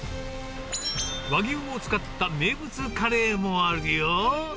和牛を使った名物カレーもあるよ。